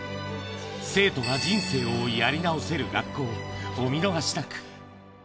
生徒が人生をやり直せる学校、お見逃しなく。